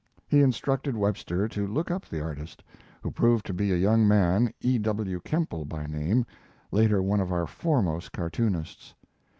He instructed Webster to look up the artist, who proved to be a young man, E. W. Kemble by name, later one of our foremost cartoonists.